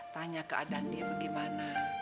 tanya keadaan dia bagaimana